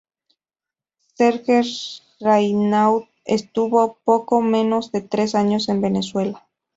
Serge Raynaud estuvo poco menos de tres años en Venezuela.